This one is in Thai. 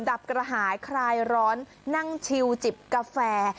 ดับกระหายคลายร้อนนั่งชิวจิบกาแฟ